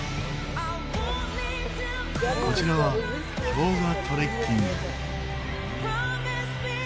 こちらは氷河トレッキング。